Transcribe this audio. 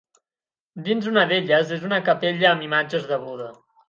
Dins una d'elles és una capella amb imatges de Buda.